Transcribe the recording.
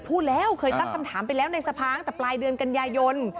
พูดแล้วคือตั้งคำถามไปแล้วในสะพางประดาน